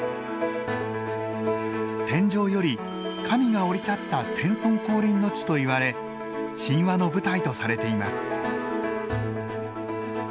天上より神が降り立った天孫降臨の地といわれ神話の舞台とされています。